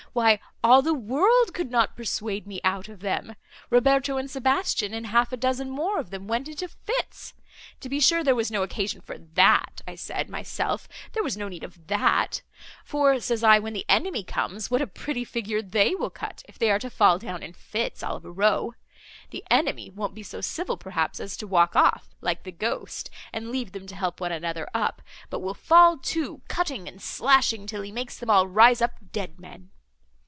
why all the world could not persuade me out of them. Roberto and Sebastian and half a dozen more of them went into fits! To be sure, there was no occasion for that; I said, myself, there was no need of that, for, says I, when the enemy comes, what a pretty figure they will cut, if they are to fall down in fits, all of a row! The enemy won't be so civil, perhaps, as to walk off, like the ghost, and leave them to help one another up, but will fall to, cutting and slashing, till he makes them all rise up dead men.